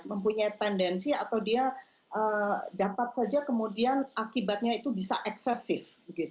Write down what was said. mempunyai tendensi atau dia dapat saja kemudian akibatnya itu bisa eksesif